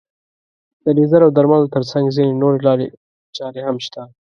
د لیزر او درملو تر څنګ ځينې نورې لارې چارې هم شته.